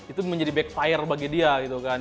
itu menjadi backfire bagi dia gitu kan